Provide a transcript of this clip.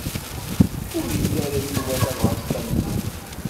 Ur ili ara Yuba tabɣest am zik.